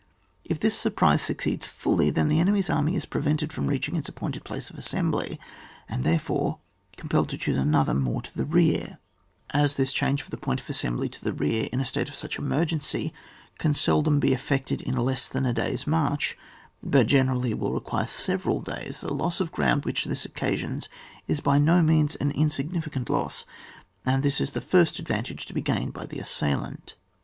If this surprise succeeds fully, then the enemy's army is prevented from reaching its appointed place of assembly, and, there fore, compelled to choose another more to the rear; as this change of the point of assembly to the rear in a state of such emergency can seldom be effected in less than a day's march, but generally will require several days, the loss of ground which this occasions is by no means an insignificant loss ; and this is the first advantage gained by the assailant.